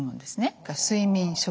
それから睡眠食欲